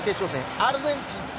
アルゼンチン対